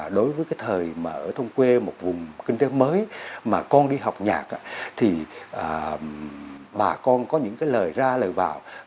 đối với cái thời mà ở thông quê một vùng kinh tế mới mà con đi học nhạc thì bà con có những cái lời ra lời vào